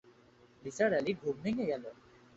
নিসার আলির ঘুম ভেঙে গেল।